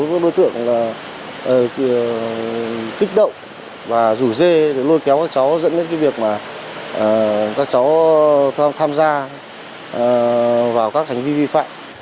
có một số đối tượng kích động và rủ dê để lôi kéo các cháu dẫn đến việc các cháu tham gia vào các hành vi vi phạm